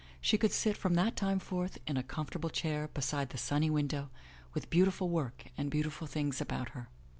She could sit from that time forth in a comfortable chair beside the sunny window with beautiful work and beauiful things about her.